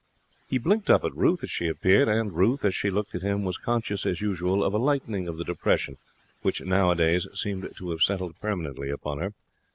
He blinked up at Ruth as she appeared, and Ruth, as she looked at him, was conscious, as usual, of a lightening of the depression which, nowadays, seemed to have settled permanently upon her.